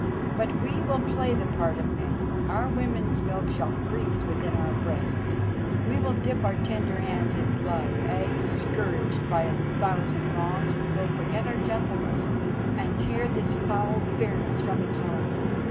But we will play the part of men. Our women's milk shall freeze within our breasts, we will dip our tender hands in blood, ay, scourged by a thousand wrongs we will forget our gentleness, and tear this foul fairness from its home.